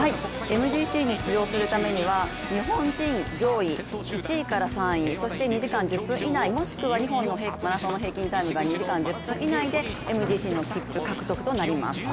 ＭＧＣに出場するためには日本人上位１位から３位そして２時間１０分以内、もしくは２時間１０分以内でＭＧＣの切符獲得となります。